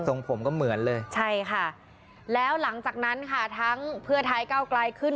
ผมก็เหมือนเลยใช่ค่ะแล้วหลังจากนั้นค่ะทั้งเพื่อไทยก้าวไกลขึ้น